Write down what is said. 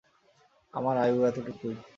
আমার আয়ু এতোটুকুই।